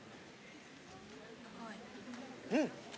うん！